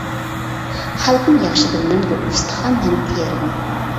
خەلقىم ياخشى بىلمەمدۇ، ئۇستىخان ھەم تېرىنى.